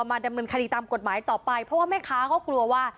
ดำเนินคดีตามกฎหมายต่อไปเพราะว่าแม่ค้าเขากลัวว่า